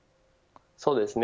そうですね。